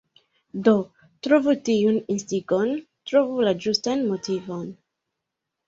Do, trovu tiun instigon, Trovu la ĝustan motivon.